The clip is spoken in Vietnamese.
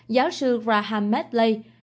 giáo sư raham medley